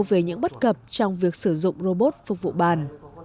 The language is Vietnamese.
về những bất cập trong việc sử dụng robot phục vụ bàn